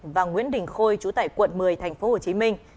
và nguyễn đình khôi chú tải quận một mươi tp hcm